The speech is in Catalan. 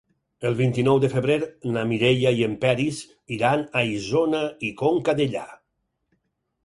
El vint-i-nou de febrer na Mireia i en Peris iran a Isona i Conca Dellà.